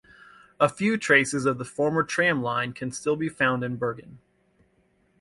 A few traces of the former tram line can still be found in Bergen.